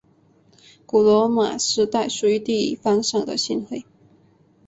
古罗马时代属于地方上的省会。